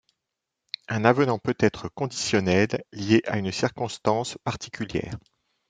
Un avenant peut être conditionnel, lié à une circonstance particulière.